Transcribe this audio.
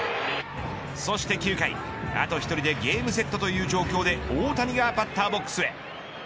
そして９回あと１人でゲームセットという状況で大谷がバッターボックスへ。